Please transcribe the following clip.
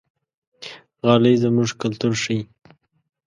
غالۍ زموږ کلتور ښيي.